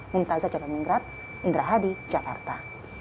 minta sajalah mengingat indra hadi jakarta